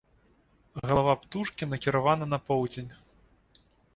Галава птушкі накіравана на поўдзень.